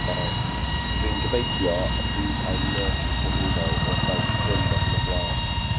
Rwy'n gobeithio y bydd ein nyrs yn ddymunol wrth ein ffrind o hyn ymlaen.